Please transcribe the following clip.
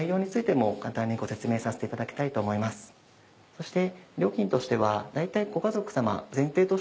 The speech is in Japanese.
そして。